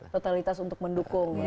totalitas untuk mendukung ya